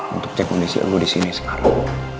untuk cek kondisi elu disini sekarang